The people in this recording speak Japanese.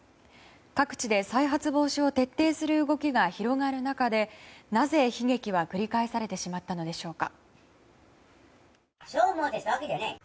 各地で再発防止を徹底する動きが広がる中でなぜ、悲劇は繰り返されてしまったのでしょうか。